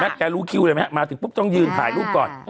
แกรู้คิวเลยไหมฮะมาถึงปุ๊บต้องยืนถ่ายรูปก่อน